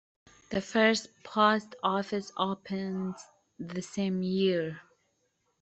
The first post office opened the same year.